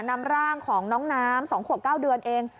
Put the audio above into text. น้ำร่างของน้องน้ำสองขวบเก้าเดือนเอง